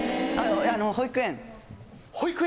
保育園。